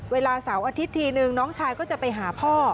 เวลาเสาร์อาทิตย์ทีนึงน้องชายก็จะไปหาพ่อ